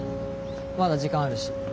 まだ時間あるし。